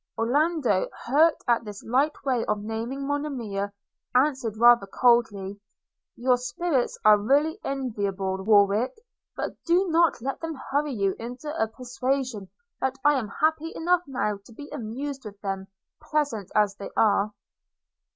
Orlando, hurt at this light way of naming Monimia, answered rather coldly, 'Your spirits are really enviable, Warwick; but do not let them hurry you into a persuasion that I am happy enough now to be amused with them, pleasant as they are!'